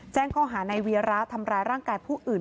แจ้งข้อหาในเวียระทำร้ายร่างกายผู้อื่น